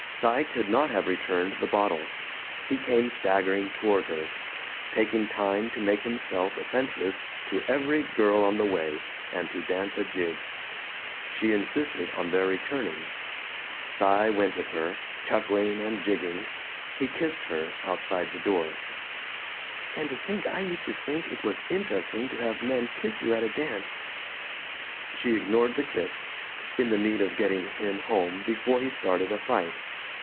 Cy could not have returned the bottle; he came staggering toward her taking time to make himself offensive to every girl on the way and to dance a jig. She insisted on their returning. Cy went with her, chuckling and jigging. He kissed her, outside the door. ... "And to think I used to think it was interesting to have men kiss you at a dance!". .. She ignored the kiss, in the need of getting him home before he started a fight.